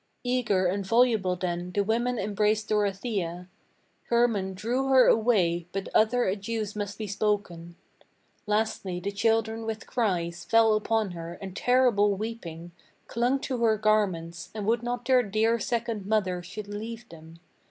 Eager and voluble then the women embraced Dorothea; Hermann drew her away; but other adieus must be spoken: Lastly the children with cries fell upon her and terrible weeping, Clung to her garments, and would not their dear second mother should leave them.